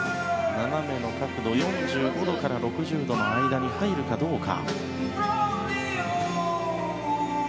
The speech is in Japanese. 斜めの角度４５度から６０度の間に入るかどうか。